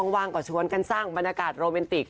ว่างก็ชวนกันสร้างบรรยากาศโรแมนติก